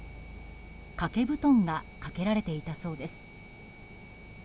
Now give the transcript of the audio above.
掛け布団がかけられていたそうです。